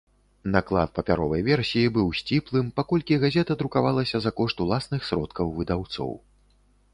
Наклад папяровай версіі быў сціплым, паколькі газета друкавалася за кошт уласных сродкаў выдаўцоў.